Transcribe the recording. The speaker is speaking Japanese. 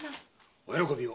お喜びを。